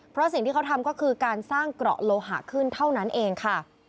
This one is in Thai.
เพราะสิ่งที่เขาทำก็คือการสร้างเกราะโลหะขึ้นเท่านั้นเองค่ะ